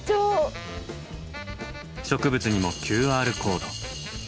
植物にもＱＲコード。